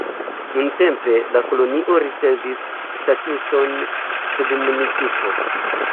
Nuntempe la kolonio ricevis statuson submunicipo.